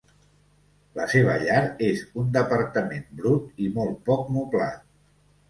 La seva llar és un departament brut i molt poc moblat.